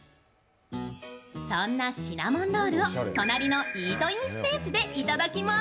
そんなシナモンロールを隣のイートインスペースでいただきます。